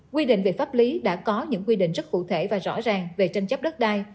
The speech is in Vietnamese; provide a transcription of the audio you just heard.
quy định về pháp lý đã có những quy định rất cụ thể và rõ ràng về tranh chấp đất đai